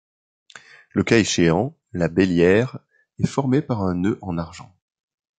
Le cas échéant la bélière est formée par un nœud en argent.